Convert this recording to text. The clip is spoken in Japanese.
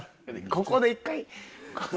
ここで一回。